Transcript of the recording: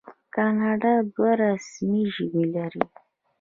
کاناډا دوه رسمي ژبې لري.